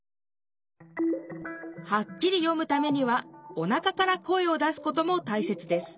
はっきり読むためにはおなかから声を出すこともたいせつです。